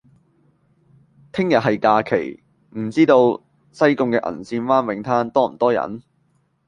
聽日係假期，唔知道西貢嘅銀線灣泳灘多唔多人？